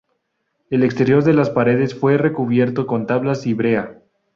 El exterior de las paredes fue recubierto con tablas y brea.